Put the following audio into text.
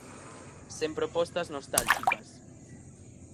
Sen propostas nostálxicas.